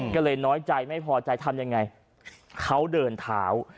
ก็เลยน้อยใจไม่พอใจทำยังไงเขาเดินเท้า